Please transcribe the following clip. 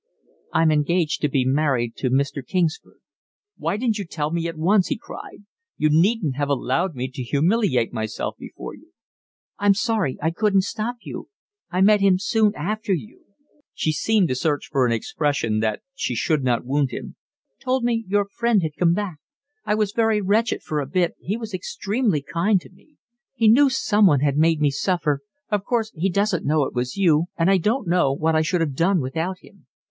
"I'm engaged to be married to Mr. Kingsford." "Why didn't you tell me at once?" he cried. "You needn't have allowed me to humiliate myself before you." "I'm sorry, I couldn't stop you…. I met him soon after you"—she seemed to search for an expression that should not wound him—"told me your friend had come back. I was very wretched for a bit, he was extremely kind to me. He knew someone had made me suffer, of course he doesn't know it was you, and I don't know what I should have done without him.